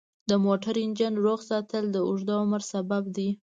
د موټر انجن روغ ساتل د اوږده عمر سبب دی.